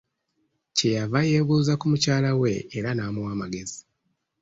Kye yava yeebuuza ku mukyala we era n'amuwa amagezi.